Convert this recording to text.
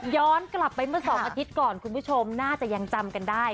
ย้อนกลับไปเมื่อ๒อาทิตย์ก่อนคุณผู้ชมน่าจะยังจำกันได้